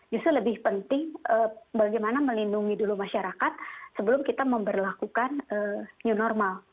justru lebih penting bagaimana melindungi dulu masyarakat sebelum kita memperlakukan new normal